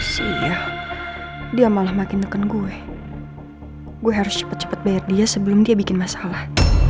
si iya dia malah makin neken gue gue harus cepat cepat bayar dia sebelum dia bikin masalah